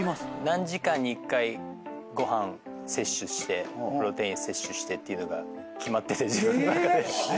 何時間に１回ご飯摂取してプロテイン摂取してっていうのが決まってて自分の中で。